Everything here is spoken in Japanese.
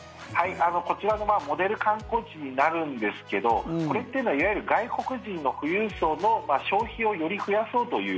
こちらのモデル観光地になるんですけどこれっていうのはいわゆる外国人の富裕層の消費をより増やそうという。